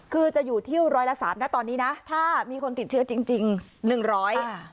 คือจะอยู่ที่ร้อยละสามนะตอนนี้นะถ้ามีคนติดเชื้อจริงจริงหนึ่งร้อยอ่า